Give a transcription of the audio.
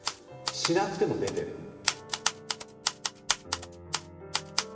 しなくても出てる。